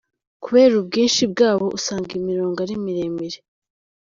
Kubera ubwinshi bwabo usanga imirongo ari miremire.